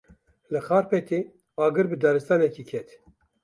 Li Xarpêtê agir bi daristanekê ket.